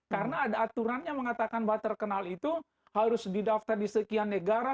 karena ada aturan yang mengatakan bahwa terkenal itu harus didaftar di sekian negara